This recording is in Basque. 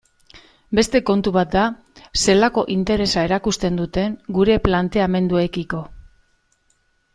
Beste kontu bat da zelako interesa erakusten duten gure planteamenduekiko.